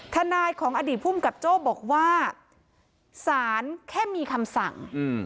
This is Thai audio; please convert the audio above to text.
ทนายของอดีตภูมิกับโจ้บอกว่าสารแค่มีคำสั่ง